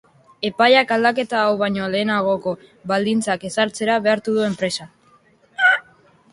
Epaiak aldaketa hau baino lehenagoko baldintzak ezartzera behartu du enpresa.